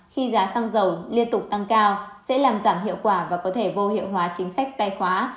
khi giá xăng dầu liên tục tăng cao sẽ làm giảm hiệu quả và có thể vô hiệu hóa chính sách tài khóa